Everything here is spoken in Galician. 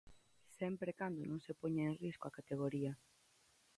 Sempre e cando non se poña en risco a categoría.